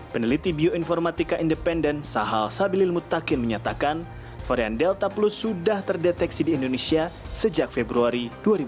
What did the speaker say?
peneliti bioinformatika independen sahal sabilil mutakin menyatakan varian delta plus sudah terdeteksi di indonesia sejak februari dua ribu dua puluh